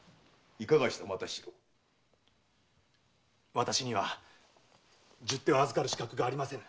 私には十手を預かる資格がありません。